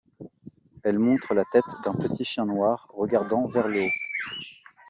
Elle montre la tête d'un petit chien noir regardant vers le haut.